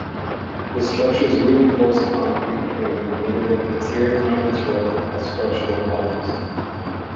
The structure's reinforced concrete frame permitted an interior uninterrupted by structural columns.